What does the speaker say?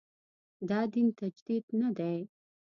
دا دین تجدید نه دی.